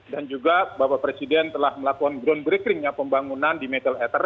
dan juga bapak presiden telah melakukan groundbreaking nya pembangunan di metal ether